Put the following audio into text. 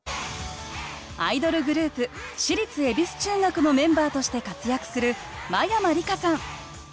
アイドルグループ私立恵比寿中学のメンバーとして活躍する真山りかさん